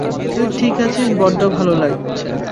তুই ঠিক আছিস বড্ড ভালো লাগছে!